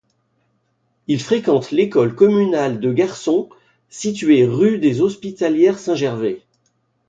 Il fréquente l'école communale de garçons située rue des Hospitalières-Saint-Gervais.